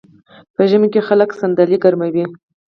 په ژمي کې خلک صندلۍ ګرموي.